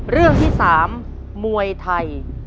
เรื่องที่๓มวยไทย